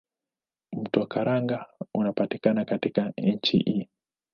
Mto Karanga unapita katika nchi hii.